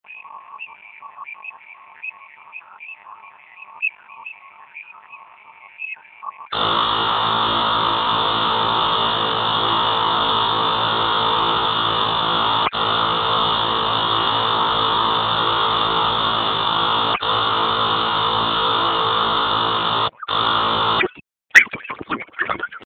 Alisema lori lilikuwa limebeba vifaa vya msaada